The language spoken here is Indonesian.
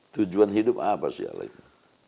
tujuan hidup apa sih alat itu